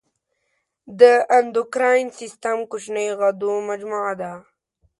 د اندوکراین سیستم کوچنیو غدو مجموعه ده.